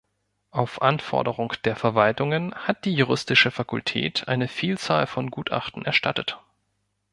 Auf Anforderung der Verwaltungen hat die Juristische Fakultät eine Vielzahl von Gutachten erstattet.